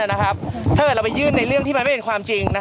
ถ้าเกิดเราไปยื่นในเรื่องที่มันไม่เป็นความจริง